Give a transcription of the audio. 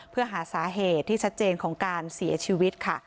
เพื่อหาสาเหตุที่ชัดเจนของการเสียชีวิตค่ะ